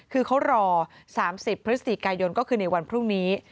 คือเขารอ๓๐พยก็คือในวันพรุธนี้